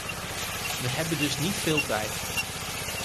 We hebben dus niet veel tijd.